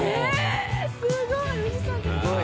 すごい。